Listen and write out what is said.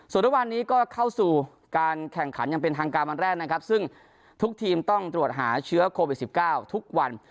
ส่วนทุกวันนี้ก็เข้าสู่การแข่งขันอย่างเป็นทางการวันแรกนะครับซึ่งทุกทีมต้องตรวจหาเชื้อโควิด๑๙ทุกวัน